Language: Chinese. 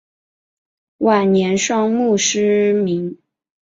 晚年双目失明。